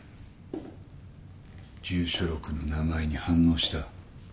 住所録の名前に反応した。